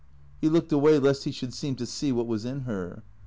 " He looked away lest he should seem to see what was in her.